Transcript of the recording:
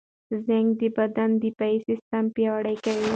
زېنک د بدن دفاعي سیستم پیاوړی کوي.